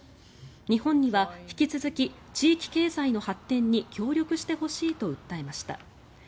日本には引き続き地域経済の発展に協力してほしいと訴えました。